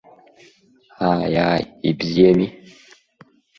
Ааи, ааи, ибзиами.